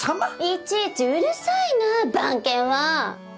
いちいちうるさいなぁ番犬は！